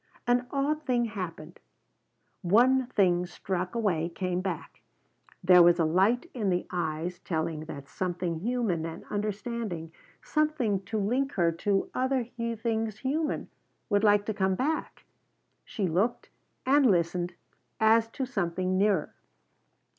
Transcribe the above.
An odd thing happened; one thing struck away came back. There was a light in the eyes telling that something human and understanding, something to link her to other things human, would like to come back. She looked and listened as to something nearer.